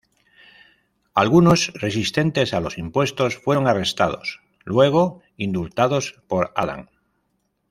Algunos resistentes a los impuestos fueron arrestados, luego indultados por Adams.